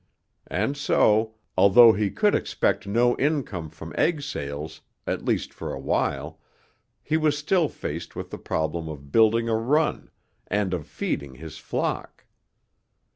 And so, although he could expect no income from egg sales, at least for a while, he was still faced with the problem of building a run and of feeding his flock.